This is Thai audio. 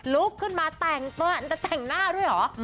ลุกขึ้นมาจะแต่งหน้าด้วยเหรอ